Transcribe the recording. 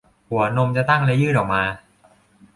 หัวนมจะตั้งและยื่นออกมา